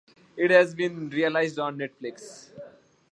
It has been releazed on netflix.